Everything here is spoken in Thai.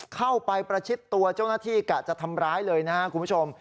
เข้าไปประชิดตัวเจ้าหน้าที่กะจะทำร้ายเลยนะครับคุณผู้ชม